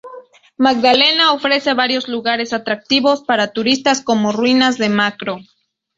Magdalena ofrece varios lugares atractivos para turistas como las Ruinas de Macro.